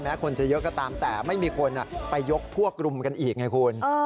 คนจะเยอะก็ตามแต่ไม่มีคนไปยกพวกรุมกันอีกไงคุณ